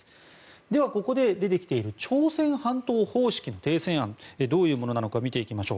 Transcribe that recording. では、ここで出てきている朝鮮半島方式の停戦案どういうものなのか見ていきましょう。